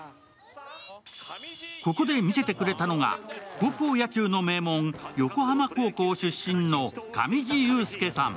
ここで見せてくれたのが高校野球の名門横浜高校出身の上地雄輔さん。